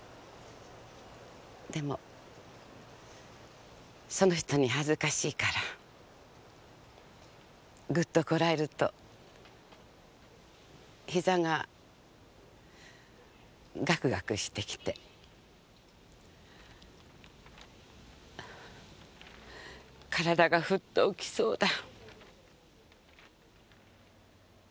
「でもその人にはずかしいからぐっとこらえるとひざがガクガクしてきて」「体がふっと浮きそうだ」